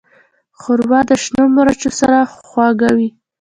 ښوروا د شنو مرچو سره خوږه وي.